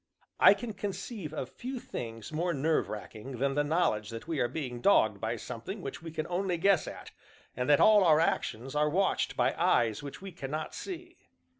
I can conceive of few things more nerve racking than the knowledge that we are being dogged by something which we can only guess at, and that all our actions are watched by eyes which we cannot see.